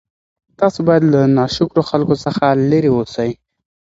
تاسي باید له ناشکرو خلکو څخه لیري اوسئ.